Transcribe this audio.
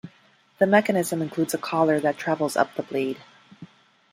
The mechanism includes a collar that travels up the blade.